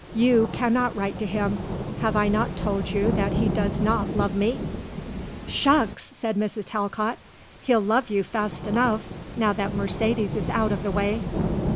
"You cannot write to him. Have I not told you that he does not love me?" "Shucks!" said Mrs. Talcott. "He'll love you fast enough now that Mercedes is out of the way."